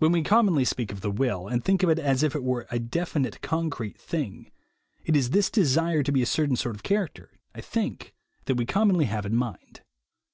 When we commonly speak of the will, and think of it as if it were a definite concrete thing, it is this desire to be a certain sort of character, I think, that we commonly have in mind.